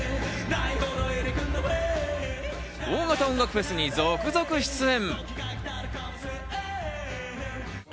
大型音楽フェスに続々出演。